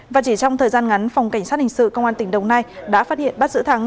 và chỉ trong thời gian ngắn phòng cảnh sát hình sự công an tỉnh đồng nai đã phát hiện bắt giữ thắng